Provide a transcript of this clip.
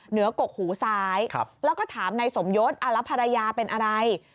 กกหูซ้ายแล้วก็ถามนายสมยศแล้วภรรยาเป็นอะไร